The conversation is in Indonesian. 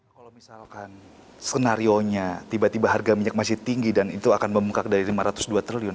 kalau misalkan skenario nya tiba tiba harga minyak masih tinggi dan itu akan membengkak dari lima ratus dua triliun